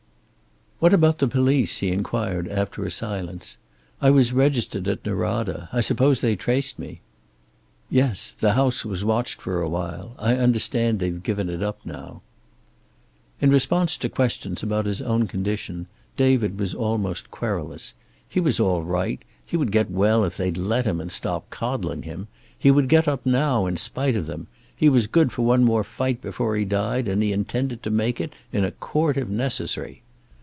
"What about the police?" he inquired after a silence. "I was registered at Norada. I suppose they traced me?" "Yes. The house was watched for a while; I understand they've given it up now." In response to questions about his own condition David was almost querulous. He was all right. He would get well if they'd let him, and stop coddling him. He would get up now, in spite of them. He was good for one more fight before he died, and he intended to make it, in a court if necessary.